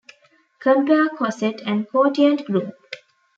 Compare coset and quotient group.